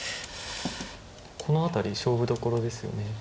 この辺り勝負どころですよね。